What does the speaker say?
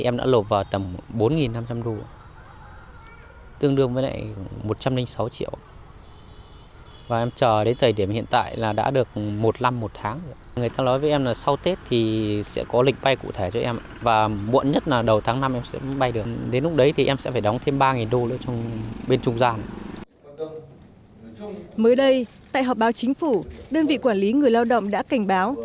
mới đây tại họp báo chính phủ đơn vị quản lý người lao động đã cảnh báo